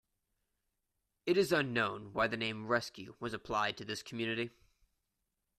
It is unknown why the name Rescue was applied to this community.